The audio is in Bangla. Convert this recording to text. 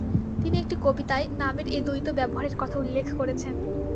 তিনি একটি কবিতায় নামের এ দ্বৈত ব্যবহারের কথা উল্লেখ করেছেন: